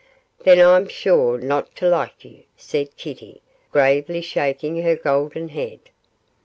Then I'm sure not to like you,' said Kitty, gravely shaking her golden head.